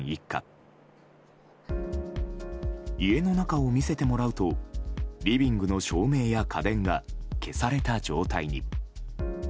家の中を見せてもらうとリビングの照明や家電が消された状態に。